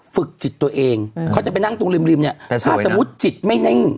ฝึกจิตตัวเองเขาจะไปนั่งตรงริมริมเนี่ยถ้าสมมุติจิตไม่นิ่ง